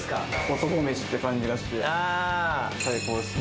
男飯っていう感じがして最高ですね。